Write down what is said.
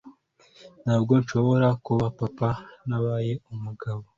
ntabwo nshobora kuba papa ntabaye umugabo